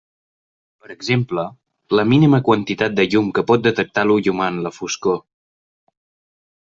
Per exemple, la mínima quantitat de llum que pot detectar l'ull humà en la foscor.